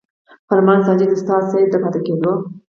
فرمان ساجد استاذ صېب د پاتې کېدو